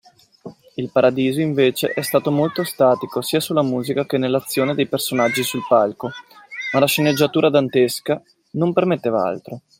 Il paradiso invece è stato molto statico sia sulla musica che nell’azione dei personaggi sul palco, ma la sceneggiatura dantesca non permetteva altro.